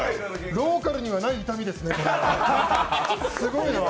ローカルにはない痛みですね、これは。